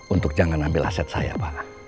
untuk jangan ambil aset saya pak